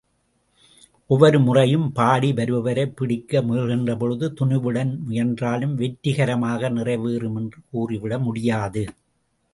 ஒவ்வொரு முறையும் பாடி வருபவரைப் பிடிக்க முயல்கின்றபொழுது, துணிவுடன் முயன்றாலும், வெற்றிகரமாக நிறைவேறும் என்று கூறிவிட முடியாது.